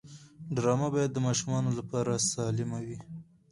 ډرامه باید د ماشومانو لپاره سالم وي